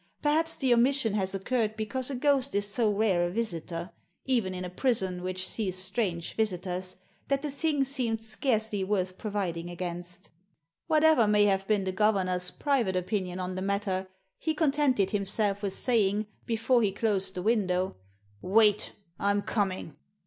Perhaps the omission has occurred because a ghost is so rare a visitor — even in a prison, which sees strange visitors — that the thing seemed scarcely worth providing against Whatever may have been the governor's private opinion on the matter, he contented himself with saying, before he closed the window — "Wait!— I'm coming!"